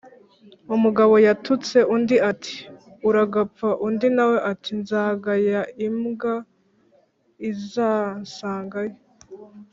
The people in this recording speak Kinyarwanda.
Umugabo yatutse undi ati uragapfa undi nawe ati nzagaya imwba izansangayo.